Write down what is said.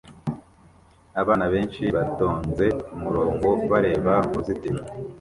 Abana benshi batonze umurongo bareba mu ruzitiro